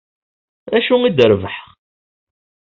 D acu i d-rebḥeɣ?